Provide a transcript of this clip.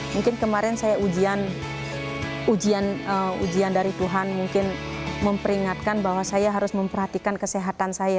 mungkin kemarin saya ujian dari tuhan mungkin memperingatkan bahwa saya harus memperhatikan kesehatan saya